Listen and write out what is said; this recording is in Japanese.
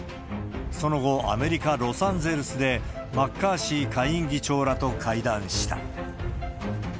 その後、アメリカ・ロサンゼルスでマッカーシー下院議長らと会談した。